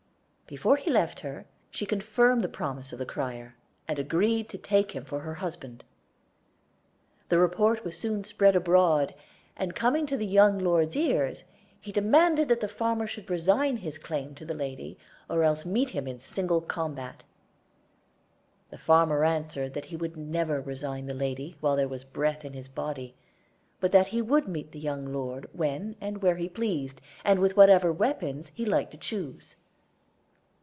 Before he left her, she confirmed the promise of the crier, and agreed to take him for her husband. The report was soon spread abroad, and coming to the young lord's ears, he demanded that the farmer should resign his claim to the lady, or else meet him in single combat. The farmer answered that he would never resign the lady while there was breath in his body, but that he would meet the young lord when and where he pleased, and with whatever weapons he liked to choose.